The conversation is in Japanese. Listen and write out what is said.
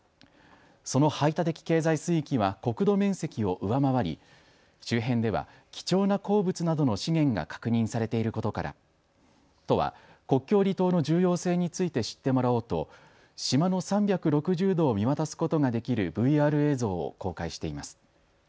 その排他的経済水域は国土面積を上回り周辺では貴重な鉱物などの資源が確認されていることから都は国境離島の重要性について知ってもらおうと島の３６０度を見渡すことができるＶＲ映像を公開しています。